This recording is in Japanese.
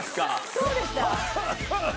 どうでした？